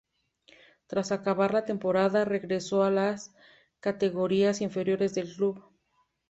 Tras acabar la temporada, regresó a las categorías inferiores del club.